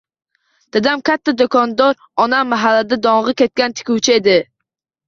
Dadam katta do`kondor, onam mahallada dong`i ketgan tikuvchi edi